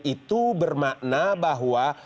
itu bermakna bahwa